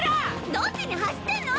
どっちに走ってんの！？